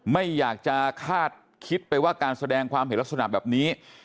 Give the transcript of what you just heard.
ไม่อยากจะคาดคิดไปว่าการแสดงความเห็นลักษณะแบบนี้